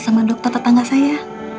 sama dokter tetangga saya